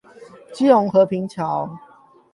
基隆和平橋